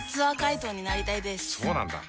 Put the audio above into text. そうなんだ。